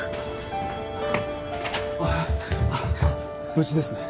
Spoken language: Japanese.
無事ですね？